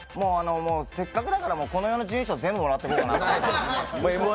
せっかくだからこの世の準優勝、全部もらっておこうかなと思って。